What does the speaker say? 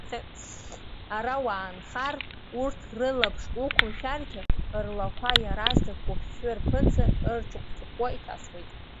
Ара уаанхар, урҭ рылаԥш уқәымшәаргьы, рлақәа иаразнак уфҩы рԥынҵа ырчыхәчыхәуа иҭасуеит.